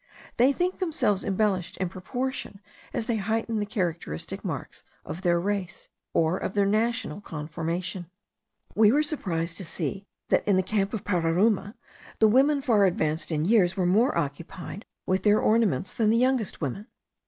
They think themselves embellished in proportion as they heighten the characteristic marks of their race, or of their national conformation. We were surprised to see, that, in the camp of Pararuma, the women far advanced in years were more occupied with their ornaments than the youngest women.